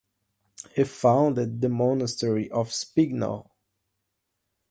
He founded the monastery of Spigno.